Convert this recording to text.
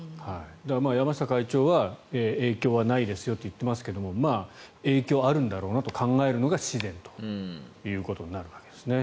山下会長は影響はないですよと言っていますが影響はあるんだろうなと考えるのが自然ということになるわけですね。